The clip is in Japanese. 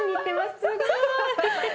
すごい！